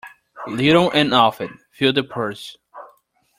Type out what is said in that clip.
Little and often fill the purse.